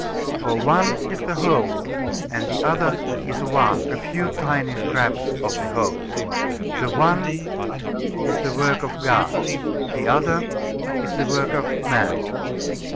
For one is the whole, and the other is one, a few tiny scraps of the whole. The one is the work of God; the other is the work of man.